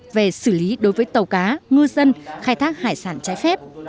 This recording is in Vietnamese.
về xử lý đối với tàu cá ngư dân khai thác hải sản trái phép